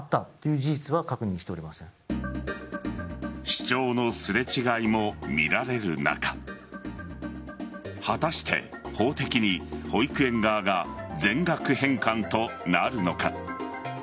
主張のすれ違いも見られる中果たして法的に保育園側が全額返還となるのか。